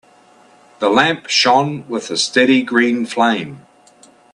The lamp shone with a steady green flame.